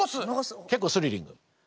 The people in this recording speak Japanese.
結構スリリング。